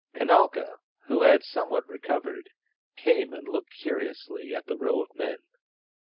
Kanalka, who had somewhat recovered, came and looked curiously at the row of men.